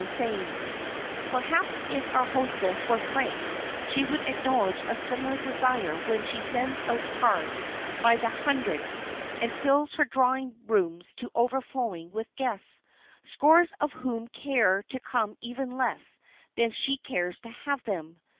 [Sidenote: SERVANTS AND GUESTS] Perhaps if our hostess were frank she would acknowledge a similar desire when she sends out cards by the hundreds and fills her drawing rooms to overflowing with guests, scores of whom care to come even less than she cares to have them.